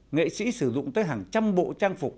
nghệ sĩ sử dụng tới hàng trăm bộ trang phục